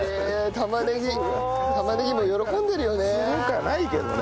玉ねぎ玉ねぎも喜んでるよね。